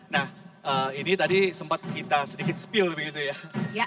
nah ini tadi sempat kita sedikit spill begitu ya